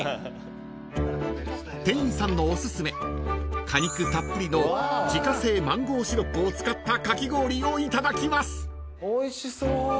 ［店員さんのおすすめ果肉たっぷりの自家製マンゴーシロップを使ったかき氷をいただきます］